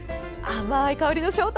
甘い香りの正体